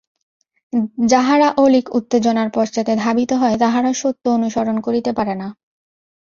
যাহারা অলীক উত্তেজনার পশ্চাতে ধাবিত হয়, তাহারা সত্য অনুসরণ করিতে পারে না।